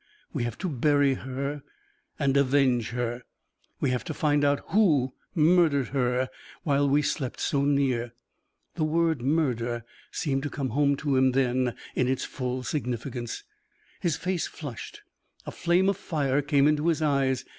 "We have to bury her and avenge her; we have to find out who murdered her while we slept so near." The word murder seemed to come home to him then in its full significance; his face flushed, a flame of fire came into his eyes.